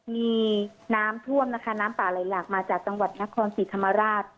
มีน้ำท่วมนะคะน้ำป่าไหลหลากมาจากจังหวัดนครศรีธรรมราช